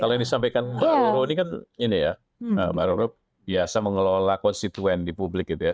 kalau yang disampaikan mbak roro ini kan ini ya mbak roro biasa mengelola konstituen di publik gitu ya